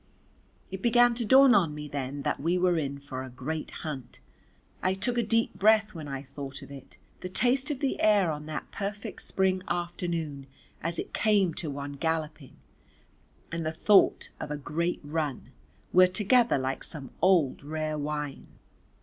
It began to dawn on me then that we were in for a great hunt, I took a deep breath when I thought of it; the taste of the air of that perfect Spring afternoon as it came to one galloping, and the thought of a great run, were together like some old rare wine.